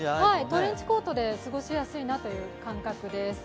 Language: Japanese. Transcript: トレンチコートで過ごしやすいなという感覚です。